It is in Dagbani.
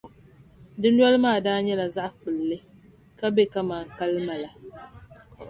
Di noli maa daa nyɛla zaɣ’ kpilli, ka be kaman kalima la.